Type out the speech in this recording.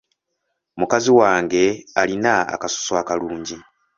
Mukazi wange alina akasusu akalungi.